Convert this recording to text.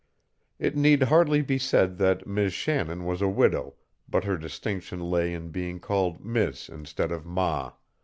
It need hardly be said that Mis' Shannon was a widow, but her distinction lay in being called mis' instead of ma.